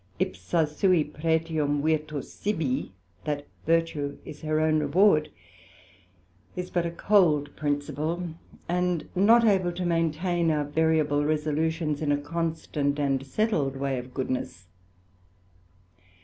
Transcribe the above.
Ipsa sui pretium virtus sibi, that Vertue is her own reward, is but a cold principle, and not able to maintain our variable resolutions in a constant and setled way of goodness.